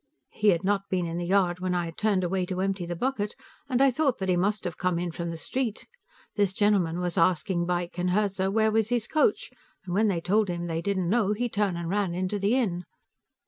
He had not been in the yard when I had turned away to empty the bucket, and I thought that he must have come in from the street. This gentleman was asking Beick and Herzer where was his coach, and when they told him they didn't know, he turned and ran into the inn.